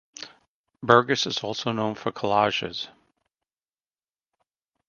Burgess is also known for collages.